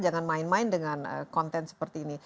jangan main main dengan konten seperti ini